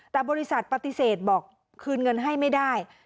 แต่บริษัทปฏิเสธบอกคืนเงินให้ไม่ได้